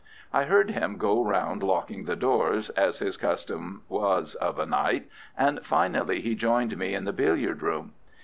I heard him go round locking the doors, as his custom was of a night, and finally he joined me in the billiard room.